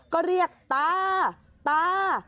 ก็เรียกตาตา